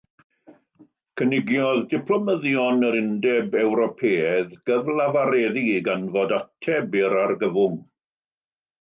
Cynigiodd diplomyddion yr Undeb Ewropeaidd gyflafareddu i ganfod ateb i'r argyfwng.